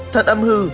thật âm hư